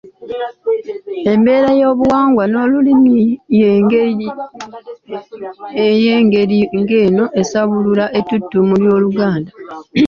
Embeera y’ebyobuwangwa n’Olulimi ey’engeri ng’eno esaabulula ettutumu ly’Oluganda